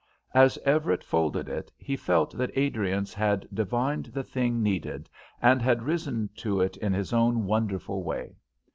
As Everett folded it he felt that Adriance had divined the thing needed and had risen to it in his own wonderful way.